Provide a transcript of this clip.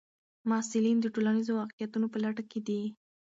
محصلین د ټولنیزو واقعیتونو په لټه کې دي.